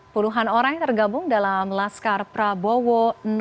puluhan orang yang tergabung dalam laskar prabowo